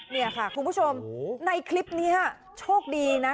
นี่ค่ะคุณผู้ชมในคลิปนี้โชคดีนะ